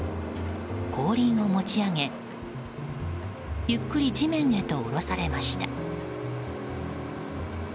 後輪を持ち上げゆっくり地面へと下ろされました。